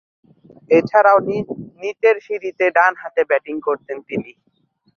এছাড়াও, নিচেরসারিতে ডানহাতে ব্যাটিং করতেন তিনি।